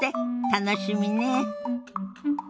楽しみねえ。